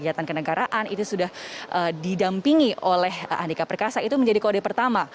kejahatan kenegaraan itu sudah didampingi oleh andika perkasa itu menjadi kode pertama